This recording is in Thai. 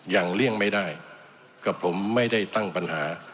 เลี่ยงไม่ได้กับผมไม่ได้ตั้งปัญหา